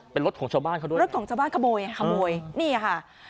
เป็นรถของชาวบ้านเขาด้วยรถของชาวบ้านขโมยขโมยนี่ค่ะ